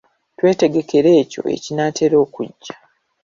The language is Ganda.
Twetegekera ekyo ekinaatera okujja.